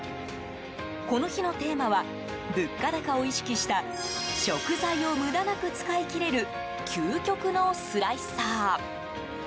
この日のテーマは物価高を意識した食材を無駄なく使い切れる究極のスライサー。